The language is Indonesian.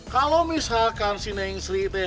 kalau misalkan si neng sri